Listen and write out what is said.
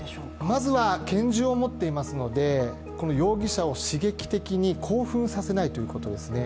まずは拳銃を持っていますので、容疑者を刺激的に興奮させないということですね。